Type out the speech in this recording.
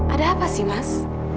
ada apa sih mas